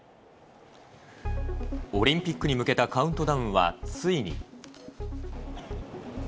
オリンピックに向けたカウントダウンはついに。